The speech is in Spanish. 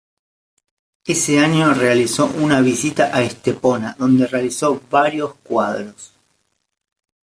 Ese año realizó una visita a Estepona, donde realizó varios cuadros.